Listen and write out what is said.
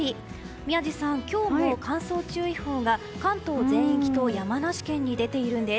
宮司さん、今日も乾燥注意報が関東全域と山梨県に出ているんです。